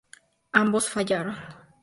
Ambos fallaron.